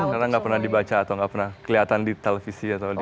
karena gak pernah dibaca atau gak pernah kelihatan di televisi atau di media